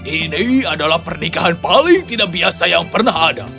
ini adalah pernikahan paling tidak biasa yang pernah ada